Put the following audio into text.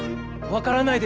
分からない